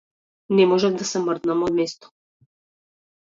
Не можев да се мрднам од место.